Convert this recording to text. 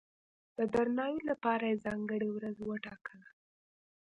د درناوي لپاره یې ځانګړې ورځ وټاکله.